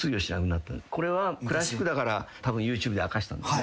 これはクラシックだからたぶんＹｏｕＴｕｂｅで明かした。